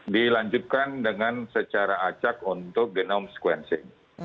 dilanjutkan dengan secara acak untuk genome sequencing